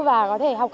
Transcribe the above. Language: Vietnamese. và có thể học hỏi